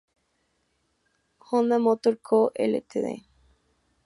Honda Motor Co., Ltd.